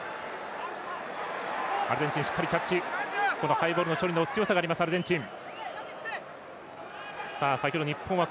ハイボールの処理の強さがあるアルゼンチン。